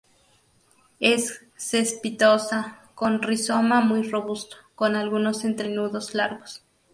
Es cespitosa, con rizoma muy robusto, con algunos entrenudos largos.